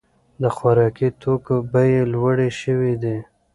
د خوراکي توکو بیې لوړې شوې دي.